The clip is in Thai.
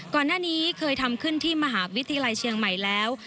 ก่อนหน้านี้เคยทำขึ้นที่มหาวิทยาลัยเชียงใหม่แล้ว